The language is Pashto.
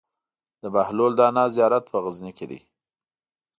د بهلول دانا زيارت په غزنی کی دی